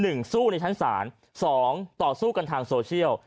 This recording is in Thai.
สู้ในชั้นศาลสองต่อสู้กันทางโซเชียล